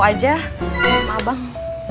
misalnya kamu bisa beralih